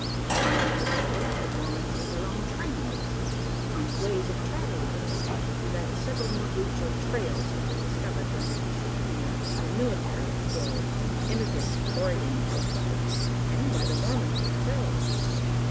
I knew, moreover, that the Mormons had their own "trains," and ways of travelling; and that several new routes or "trails" had been discovered during the preceding year, by military explorers, emigrants for Oregon and California, and by the Mormons themselves.